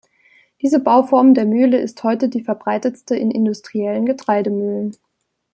Diese Bauform der Mühle ist heute die verbreitetste in industriellen Getreidemühlen.